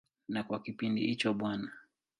Na kwa kipindi hicho Bw.